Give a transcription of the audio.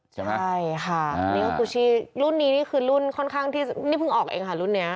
ใช่ค่ะนี่ก็คือชี่รุ่นนี้นี่คือรุ่นค่อนข้างที่นี่เพิ่งออกเองค่ะรุ่นนี้